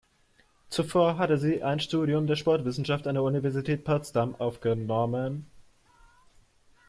Zuvor hatte sie ein Studium der Sportwissenschaft an der Universität Potsdam aufgenommen.